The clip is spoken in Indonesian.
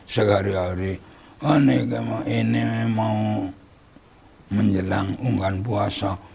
sehari hari ini mau menjelang ungkan puasa